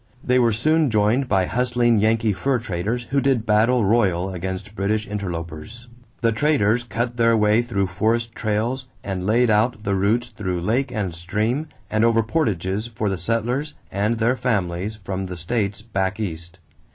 They were soon joined by hustling Yankee fur traders who did battle royal against British interlopers. The traders cut their way through forest trails and laid out the routes through lake and stream and over portages for the settlers and their families from the states "back East."